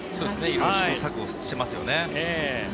試行錯誤してますよね。